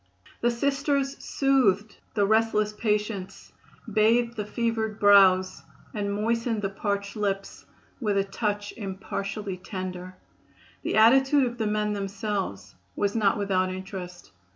The Sisters soothed the restless patients, bathed the fevered brows and moistened the parched lips "with a touch impartially tender." The attitude of the men themselves was not without interest.